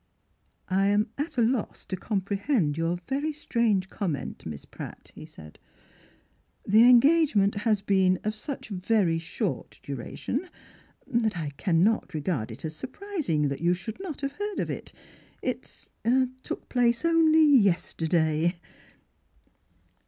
"I am at a loss to comprehend your very strange comment. Miss Pratt," he said; '^the engagement has 75 The Transfiguration of been of such very short dura tion that I can not regard it as surprising that you should not have heard of it. It — ah — took place only yester day."